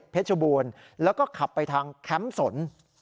๗๕๗เพชบูรณ์แล้วก็ขับไปทางแค้มสน